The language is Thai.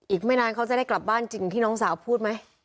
อีกไม่นานเขาจะได้กลับบ้านจริงที่น้องสาวพูดไหม